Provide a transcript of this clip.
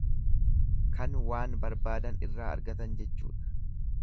Kan waan barbaadan irraa argatan jechuudha.